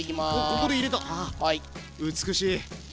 おっここで入れたわ美しい。